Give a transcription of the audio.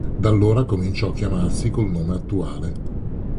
Da allora cominciò a chiamarsi col nome attuale.